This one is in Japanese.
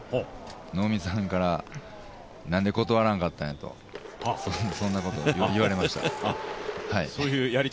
能見さんから、何で断らんかったんやと言われました。